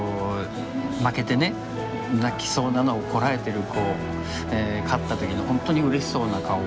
負けてね泣きそうなのをこらえてる子勝った時の本当にうれしそうな顔。